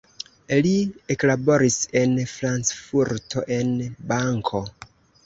Li eklaboris en Frankfurto en banko.